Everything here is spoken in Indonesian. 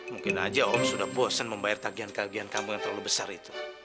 mungkin aja om sudah bosan membayar tagihan kagihan kamu yang terlalu besar itu